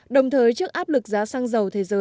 đồng thời trước áp lực giá xăng dầu